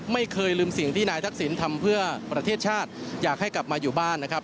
ไม่เคยลืมสิ่งที่นายทักษิณทำเพื่อประเทศชาติอยากให้กลับมาอยู่บ้านนะครับ